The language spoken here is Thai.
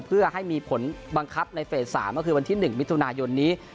เพื่อให้มีผลบังคับในเฟส๓ก็คือวันที่๑มิถุนายนนี้